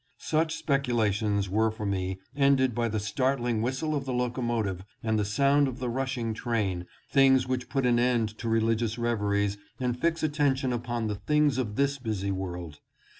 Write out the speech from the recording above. Such speculations were for me ended by the startling whistle of the locomotive and the sound of the rushing train — things which put an end to religious reveries and fix attention upon the things of this busy world.